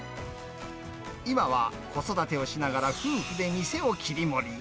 今は子育てをしながら夫婦で店を切り盛り。